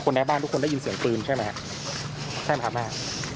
คนในบ้านทุกคนได้ยินเสียงปืนใช่ไหมครับใช่ไหมครับแม่